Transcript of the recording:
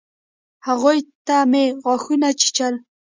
هغوى ته مې غاښونه چيچل.